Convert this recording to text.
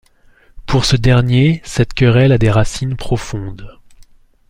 Pour ce dernier cette querelle a des racines profondes.